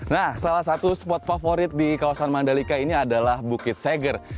nah salah satu spot favorit di kawasan mandalika ini adalah bukit seger